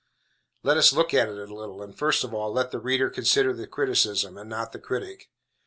Let us look at it a little, and, first of all, let the reader consider the criticism, and not the critic.